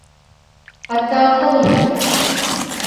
Hatta kalın lütfen.